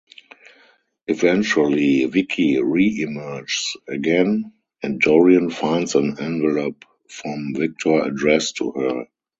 Eventually, Viki reemerges again, and Dorian finds an envelope from Victor addressed to her.